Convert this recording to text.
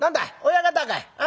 親方かい？